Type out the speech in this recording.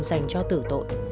dành cho tử tội